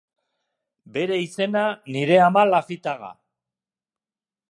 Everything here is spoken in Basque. Bere izena nire ama Lafitaga.